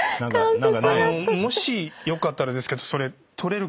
もしよかったらですけどそれ。